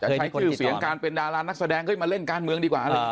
จะใช้ชื่อเสียงการเป็นดารานักแสดงก็เลยมาเล่นการเมืองดีกว่าเลย